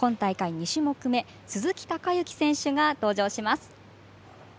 ２種目め鈴木孝幸選手が登場します。